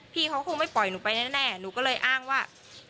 พี่เขาคงไม่ปล่อยหนูไปแน่หนูก็เลยอ้างว่า